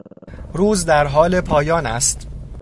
روز در حال پایان است.